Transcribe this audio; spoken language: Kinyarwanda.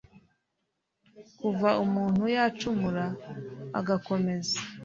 Kuva umuntu yacumura ugakomeza